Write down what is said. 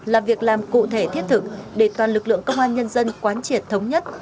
làm việc làm cụ thể thiết thực để toàn lực lượng công an nhân dân quán triển thống nhất